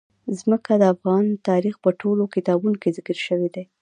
ځمکه د افغان تاریخ په ټولو کتابونو کې ذکر شوی دي.